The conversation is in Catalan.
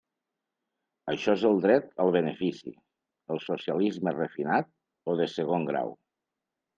Això és el dret al benefici, el socialisme refinat o de segon grau.